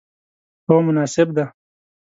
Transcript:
هو، مناسب دی